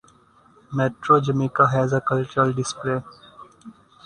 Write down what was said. Metro Jamaica has a cultural display.